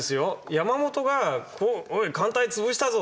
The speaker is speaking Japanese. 山本が「おい艦隊潰したぞ！